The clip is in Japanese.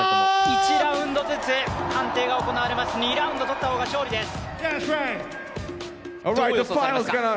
１ラウンドずつ判定が行われます、２ラウンド取ったほうが勝利です。